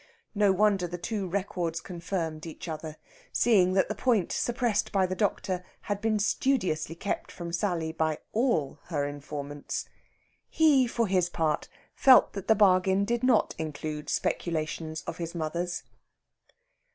No wonder the two records confirmed each other, seeing that the point suppressed by the doctor had been studiously kept from Sally by all her informants. He, for his part, felt that the bargain did not include speculations of his mother's.